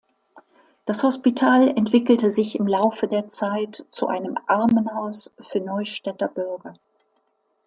Das Hospital entwickelte sich im Laufe der Zeit zu einem Armenhaus für Neustädter Bürger.